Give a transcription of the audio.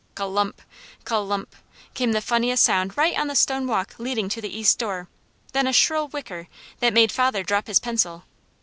Ca lumph! Ca lumph! came the funniest sound right on the stone walk leading to the east door, then a shrill whicker that made father drop his pencil.